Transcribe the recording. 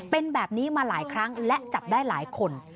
เป็นแบบนี้มาหลายครั้งและจับได้หลายคน